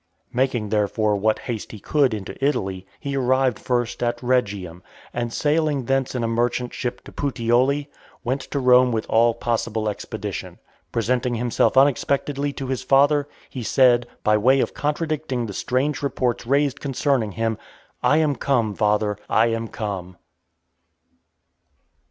Making, therefore, what haste he could into Italy, he arrived first at Rhegium, and sailing thence in a merchant ship to Puteoli, went to Rome with all possible expedition. Presenting himself unexpectedly to his father, he said, by way of contradicting the strange reports raised concerning him, "I am come, father, I am come."